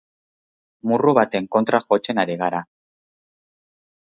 Murru baten kontra jotzen ari gara.